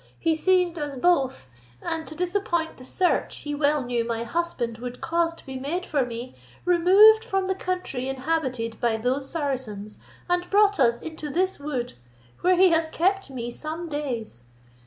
He seized us both, and to disappoint the search he well knew my husband would cause to be made for me, removed from the country inhabited by those Saracens, and brought us into this wood, where he has kept me some days.